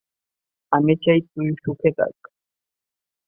আমি চাই তুই সুখে থাক।